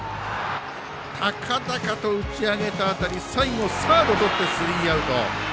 高々と打ち上げた当たり最後、サードとってスリーアウト。